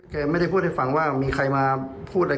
ไม่ได้พูดให้ฟังว่ามีใครมาพูดอะไร